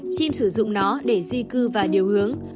chim sử dụng nó để di cư và điều hướng